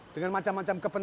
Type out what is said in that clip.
dengan macam macam kebenaran